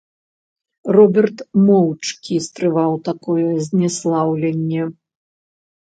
Роберт моўчкі стрываў такое знеслаўленне.